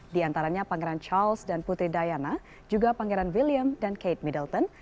di antaranya pangeran charles dan putri diana juga pangeran william dan kate middleton